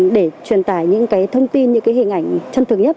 để truyền tải những thông tin những hình ảnh chân thực nhất